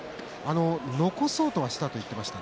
残そうとはしたと言ってました。